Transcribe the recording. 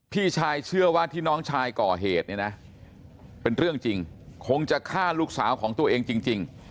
พี่ชายเชื่อว่าที่น้องชายก่อเหตุเนี่ยนะเป็นเรื่องจริงคงจะฆ่าลูกสาวของตัวเองจริง